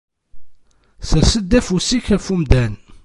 Ssers-d afus-ik ɣef umdan.